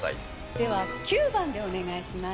では９番でお願いします。